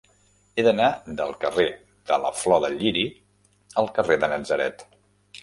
He d'anar del carrer de la Flor de Lliri al carrer de Natzaret.